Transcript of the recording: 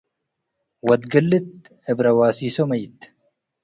ወድ ግልት እብ ረዋሲሶ መይት።